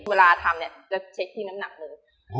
เวลาทำจะเช็คที่น้ำหนักหนึ่ง